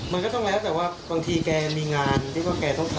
มันก็ต้องแล้วแต่ว่าบางทีแกมีงานที่ว่าแกต้องทำ